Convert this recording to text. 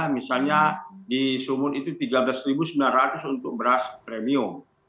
misalnya di sumut itu rp tiga belas sembilan ratus untuk beras premium